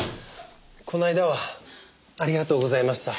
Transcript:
この間はありがとうございました。